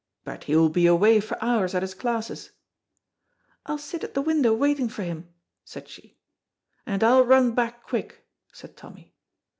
"But he will be away for hours at his classes." "I'll sit at the window waiting for him," said she. "And I'll run back quick," said Tommy.